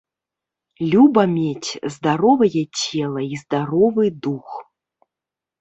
Люба мець здаровае цела і здаровы дух.